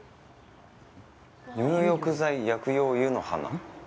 「入浴剤薬用湯の花」。